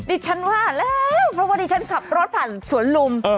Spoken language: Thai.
ฉันว่าแล้วเพราะว่าดิฉันขับรถผ่านสวนลุม